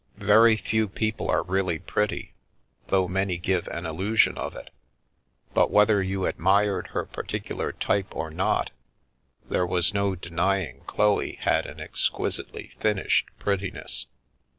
Very few people are really pretty, though many give an illusion of it, but, whether you admired her particular type or not, there was no denying Chloe had an exquisitely finished prettiness.